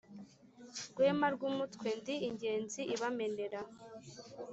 Rwema rw'umutwe ndi ingenzi ibamenera.